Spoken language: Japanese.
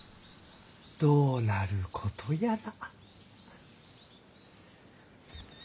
どうなることやら。